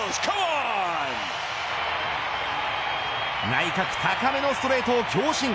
内角高めのストレートを強振。